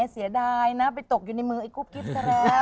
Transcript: เสียดายนะไปตกอยู่ในมือไอ้กุ๊บกิ๊บซะแล้ว